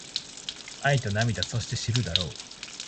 愛と涙そして知るだろう